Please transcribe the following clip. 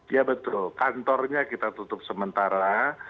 ya betul kantornya kita tutup sementara